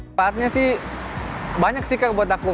manfaatnya sih banyak sih kak buat aku